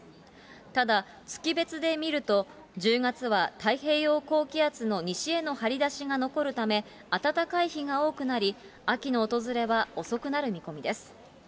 ただ月別で見ると、１０月は太平洋高気圧の西への張り出しが残るため、暖かい日が多くなり、秋の訪れは遅くなる見込みです。